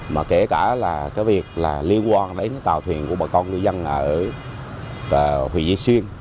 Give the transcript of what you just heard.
mà kể cả việc liên quan đến tàu thuyền của bà con ngư dân ở huy dê xuyên